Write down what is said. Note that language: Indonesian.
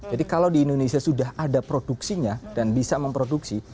jadi kalau di indonesia sudah ada produksinya dan bisa memproduksi